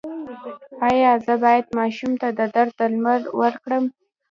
ایا زه باید ماشوم ته د درد درمل ورکړم؟